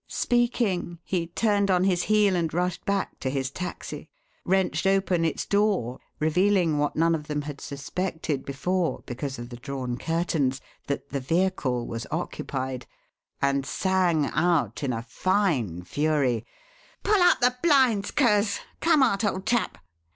Speaking, he turned on his heel and rushed back to his taxi, wrenched open its door, revealing what none of them had suspected before, because of the drawn curtains: that the vehicle was occupied and sang out in a fine fury, "Pull up the blinds, Curz. Come out, old chap.